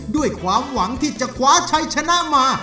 ด้วยความหวังที่จะคว้าชัยชนะมา